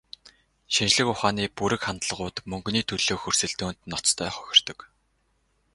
Шинжлэх ухааны бүрэг хандлагууд мөнгөний төлөөх өрсөлдөөнд ноцтой хохирдог.